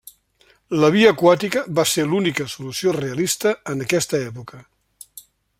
La via aquàtica va ser l'única solució realista en aquesta època.